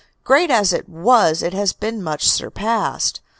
Great as it was, it has been much surpassed.